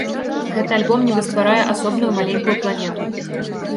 Гэты альбом нібы стварае асобную маленькую планету.